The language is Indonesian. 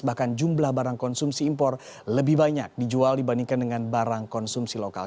bahkan jumlah barang konsumsi impor lebih banyak dijual dibandingkan dengan barang konsumsi lokal